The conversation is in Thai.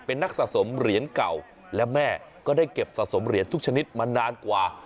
เป็นนักสะสมเหรียญเก่าและแม่ก็ได้เก็บสะสมเหรียญทุกชนิดมานานกว่า